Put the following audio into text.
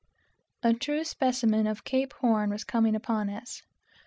A true specimen of Cape Horn was coming upon us.